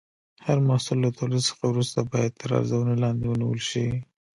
هر محصول له تولید څخه وروسته باید تر ارزونې لاندې ونیول شي.